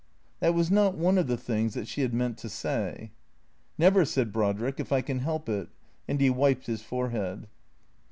That was not one of the things that she had meant to say. " Never," said Brodrick, " if I can help it." And he wiped his forehead.